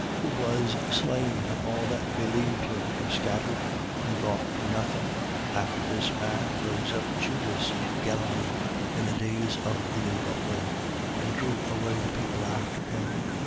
Who was slain: and all that believed him were scattered and brought to nothing. 5:37. After this man, rose up Judas of Galilee, in the days of the enrolling, and drew away the people after him.